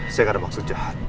saya gak ada maksud jahat